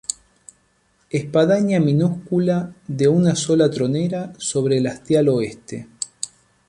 Espadaña minúscula de una sola tronera sobre el hastial oeste.